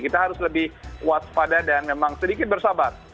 kita harus lebih waspada dan memang sedikit bersabar